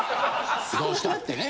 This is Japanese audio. どうしたってね。